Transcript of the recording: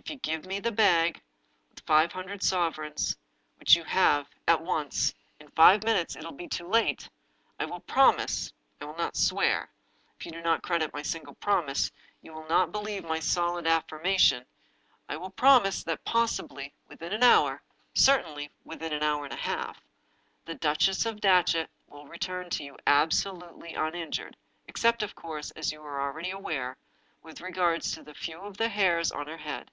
If you give me the five hundred sovereigns, which you have in that bag, at once — in five minutes it will be too late — I will promise — I will not swear; if you do not credit my simple promise, you will not believe my solemn affirma 288 The Lost Duchess tion — I will promise tbat, possibly within an hour, certainly within an hour sftd/a half, the Duchess of Datchet shall return to you absolutely uninjured — except, of course, as you are already aware, with regard to a few of the hair? of her head.